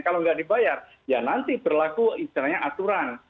kalau nggak dibayar ya nanti berlaku istilahnya aturan